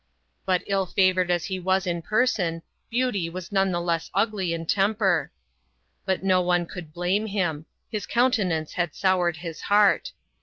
But ill favoured as he was in person, Beauty was none the less ugly in temper ; but no one could blame him ; his countenance had soured his heart.